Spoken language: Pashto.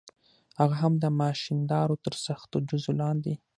هغه هم د ماشیندارو تر سختو ډزو لاندې و.